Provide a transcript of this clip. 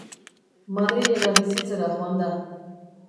Madrilera bizitzera joan da.